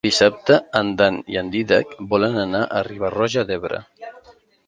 Dissabte en Dan i en Dídac volen anar a Riba-roja d'Ebre.